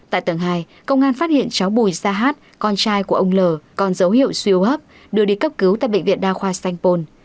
tại tầng hai công an phát hiện cháu bùi gia hát con trai của ông lờ con dấu hiệu siêu hấp đưa đi cấp cứu tại bệnh viện đa khoa sanh pôn